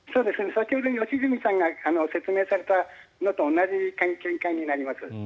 先ほど良純さんが説明されたのと同じ見解になります。